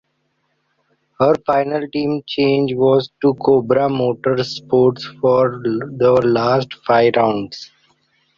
Her final team change was to Cobra Motorsports for the last five rounds.